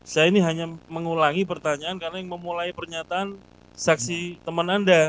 saya ini hanya mengulangi pertanyaan karena yang memulai pernyataan saksi teman anda